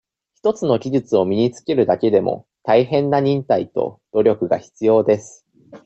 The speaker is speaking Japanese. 一つの技術を身につけるだけでも、大変な忍耐と、努力が必要です。